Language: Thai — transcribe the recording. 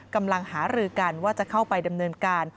กำลังหารือกันว่าจะเข้าไปดำเนินการ